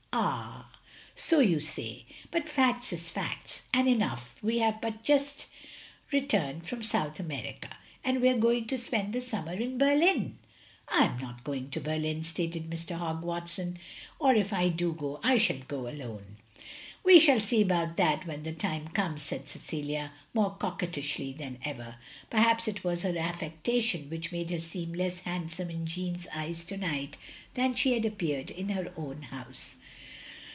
"Ah; so you say. But 'facts is facts,' and though we have but just returned from South America, we are going to spend the stimmer in Berlin." "I am not going to Berlin," stated Mr. Hogg Watson ;" or if I do go, I shall go alone. "" We shall see about that when the time comes, " said Cecilia, more coquettishly than ever. Per haps it was her affectation which made her seem less handsome in Jeanne's eyes to night, than she had appeared in her own house.